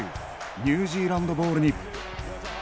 ニュージーランドボールに。